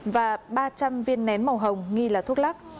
và ba trăm linh viên nén màu hồng nghi là thuốc lắc